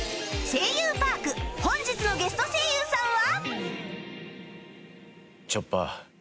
『声優パーク』本日のゲスト声優さんは？